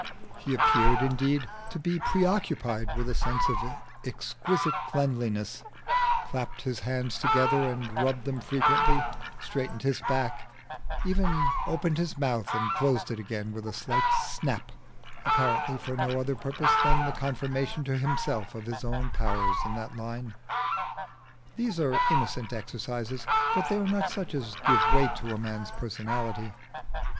He appeared, indeed, to be preoccupied with a sense of his exquisite cleanliness, clapped his hands together and rubbed them frequently, straightened his back, and even opened his mouth and closed it again with a slight snap, apparently for no other purpose than the confirmation to himself of his own powers in that line. These are innocent exercises, but they are not such as give weight to a man's personality.